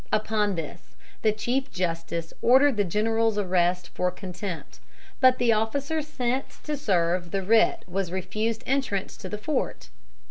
Upon this, the chief justice ordered the general's arrest for contempt, but the officer sent to serve the writ was refused entrance to the fort.